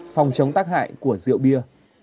phòng chống tác hại của rượu bia